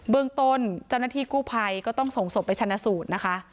เรื่องต้นเจ้าหน้าที่กู้ภัยก็ต้องส่งศพไปชนะสูตรนะคะ